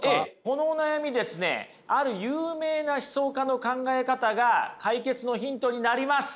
このお悩みですねある有名な思想家の考え方が解決のヒントになります！